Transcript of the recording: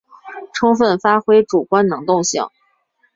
充分发挥主观能动性